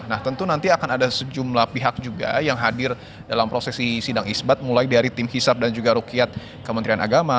nah tentu nanti akan ada sejumlah pihak juga yang hadir dalam prosesi sidang isbat mulai dari tim hisap dan juga rukiat kementerian agama